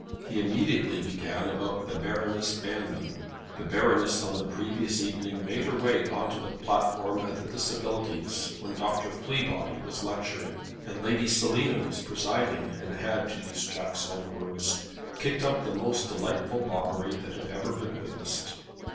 He immediately began about the Baroness Banmann. The Baroness had on the previous evening made her way on to the platform at the Disabilities when Dr. Fleabody was lecturing, and Lady Selina was presiding and had, to use Jack's own words, "Kicked up the most delightful bobbery that had ever been witnessed!